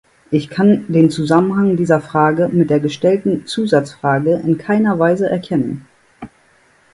Ich kann den Zusammenhang dieser Frage mit der gestellten Zusatzfrage in keiner Weise erkennen.